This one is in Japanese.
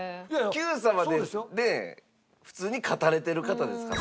『Ｑさま！！』でね普通に勝たれてる方ですから。